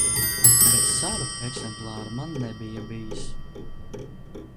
Bet sava eksemplāra man nebija bijis.